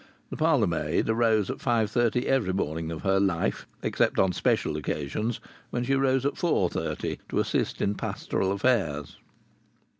The parlour maid arose at five thirty every morning of her life, except on special occasions, when she arose at four thirty to assist in pastoral affairs.